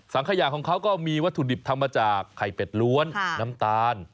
ขยะของเขาก็มีวัตถุดิบทำมาจากไข่เป็ดล้วนน้ำตาล